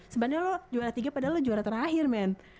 sebenarnya lo juara tiga padahal lo juara terakhir men